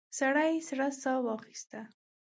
سړي سړه ساه واخيسته.